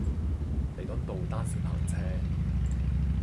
彌敦道單線行車